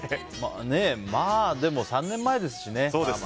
まあ、３年前ですしね。